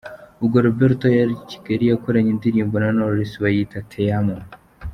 Ubwo Roberto yari i Kigali yakoranye indirimbo na Knowless bayita ‘Te Amo’.